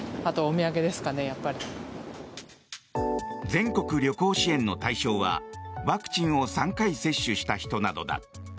全国旅行支援の対象はワクチンを３回接種した人などだ。